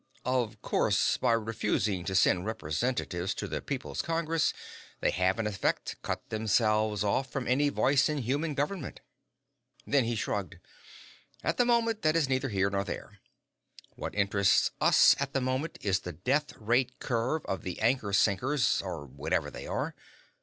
"Of course, by refusing to send representatives to the People's Congress, they have, in effect, cut themselves off from any voice in human government." Then he shrugged. "At the moment, that is neither here nor there. What interests us at the moment is the death rate curve of the anchor sinkers or whatever they are.